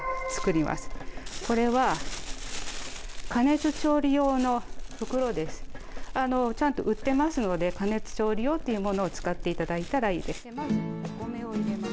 これはあのちゃんと売ってますので加熱調理用というものを使って頂いたらいいです。